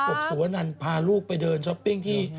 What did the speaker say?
บสุวนันพาลูกไปเดินช้อปปิ้งที่